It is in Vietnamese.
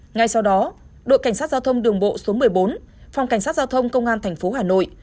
ngay sau đó đội cảnh sát giao thông đường bộ số một mươi bốn phòng cảnh sát giao thông công an tp hà nội